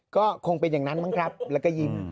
ก็คงเป็นอย่างนั้นมั้งครับแล้วก็ยิ้ม